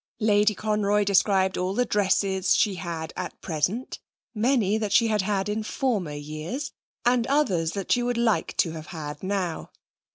Lady Conroy described all the dresses she had at present, many that she had had in former years, and others that she would like to have had now.